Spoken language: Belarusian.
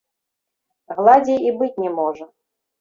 Гладзей і быць не можа.